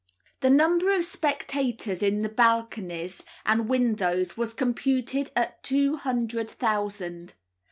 The number of spectators in the balconies and windows was computed at two hundred thousand.